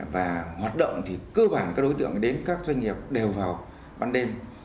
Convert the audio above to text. và hoạt động thì cơ bản các đối tượng đến các doanh nghiệp đều vào ban đêm